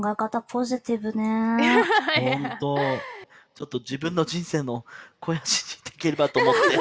ちょっと自分の人生の肥やしにできればと思って。